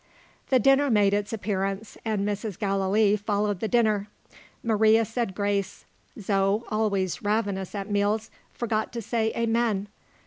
The dinner made its appearance; and Mrs. Gallilee followed the dinner. Maria said grace. Zo, always ravenous at meals, forgot to say Amen.